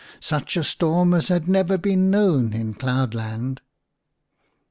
Such a storm had never been known in cloudland.